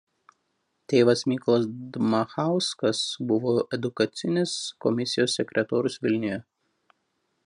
Tėvas Mykolas Dmachauskas buvo Edukacinės komisijos sekretorius Vilniuje.